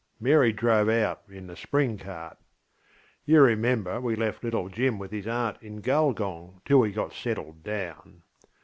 Mary drove out in the spring cart. You remember we left little Jim with his aunt in Gulgong till we got settled down.